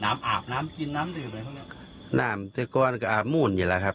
น้ำอาบน้ำกินน้ำดื่มอะไรพวกนี้น้ำก็อาบมูลนี่แหละครับ